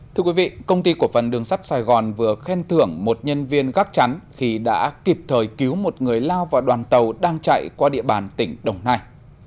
thưa quý vị công ty cổ phần đường sắt sài gòn vừa khen thưởng một nhân viên gác chắn khi đã kịp thời cứu một người lao vào đoàn tàu đang chạy qua địa bàn tỉnh đồng nai